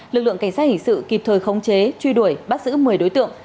lực lượng cảnh sát hình sự kịp thời khống chế truy đuổi bắt giữ một mươi đối tượng